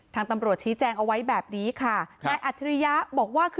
ทางตำรวจชี้แจงเอาไว้แบบนี้ค่ะนายอัจฉริยะบอกว่าคือ